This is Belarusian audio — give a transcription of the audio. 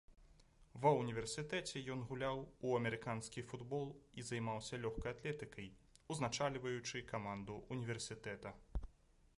Ва ўніверсітэце ён гуляў у амерыканскі футбол і займаўся лёгкай атлетыкай, узначальваючы каманду ўніверсітэта.